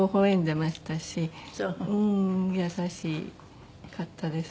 優しかったです。